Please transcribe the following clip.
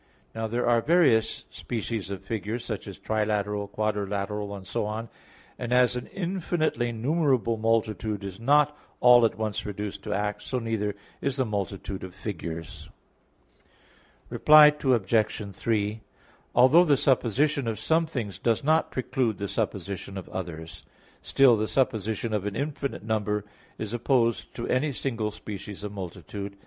Now there are various species of figures, such as trilateral, quadrilateral and so on; and as an infinitely numerable multitude is not all at once reduced to act, so neither is the multitude of figures. Reply Obj. 3: Although the supposition of some things does not preclude the supposition of others, still the supposition of an infinite number is opposed to any single species of multitude.